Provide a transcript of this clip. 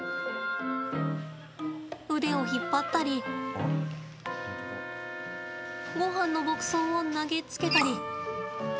腕を引っ張ったりごはんの牧草を投げつけたり。